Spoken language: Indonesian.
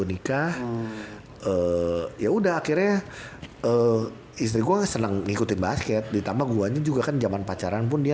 nikah ya udah akhirnya istri gua seneng ngikutin basket ditambah gua juga kan jaman pacaran pun dia